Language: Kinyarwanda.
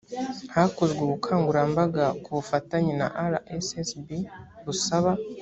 hakozwe ubukangurambaga ku bufatanye na rssb busaba